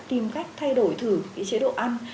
tìm cách thay đổi thử cái chế độ ăn